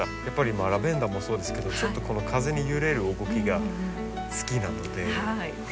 やっぱりラベンダーもそうですけどこの風に揺れる動きが好きなので。